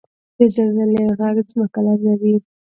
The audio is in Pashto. • د زلزلې ږغ ځمکه لړزوي.